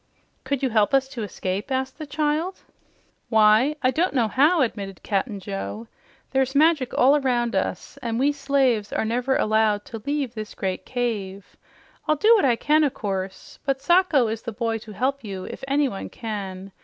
"Could you help us to escape?" asked the child. "Why, I don't know how," admitted Cap'n Joe. "There's magic all around us, and we slaves are never allowed to leave this great cave. I'll do what I can, o' course, but Sacho is the boy to help you if anyone can.